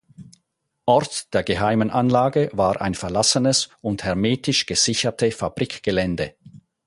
Ort der geheimen Anlage war ein verlassenes und hermetisch gesicherte Fabrikgelände.